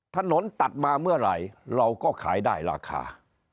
ถนนตัดมาเมื่อไหร่เราก็ขายได้ราคา